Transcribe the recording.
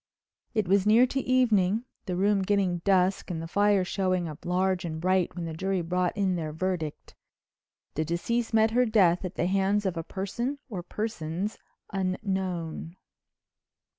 It was near to evening, the room getting dusk and the fire showing up large and bright when the jury brought in their verdict: "The deceased met her death at the hands of a person or persons unknown."